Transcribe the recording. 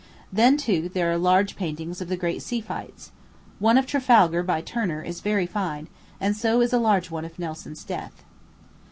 Then, too, there are large paintings of the great sea fights. One of Trafalgar, by Turner, is very fine, and so is a large one of Nelson's death.